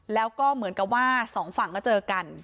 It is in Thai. แล้วก็เหมือนกับว่าสองฝั่งก็เจอกัน